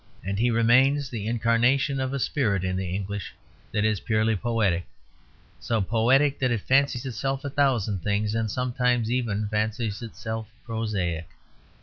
And he remains the incarnation of a spirit in the English that is purely poetic; so poetic that it fancies itself a thousand things, and sometimes even fancies itself prosaic.